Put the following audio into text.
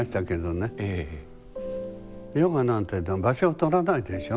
ヨガなんてのは場所を取らないでしょ。